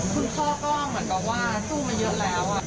คุณพ่อก็เหมือนกับว่าสู้มาเยอะแล้ว